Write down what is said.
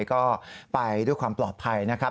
ก็ไปด้วยความปลอดภัยนะครับ